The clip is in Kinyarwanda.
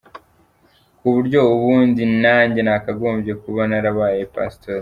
Ku buryo ubundi nanjye nakagombye kuba narabaye pastori.